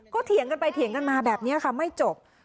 ก็เถียงกันไปเถียงกันมาแบบนี้ค่ะไม่จบ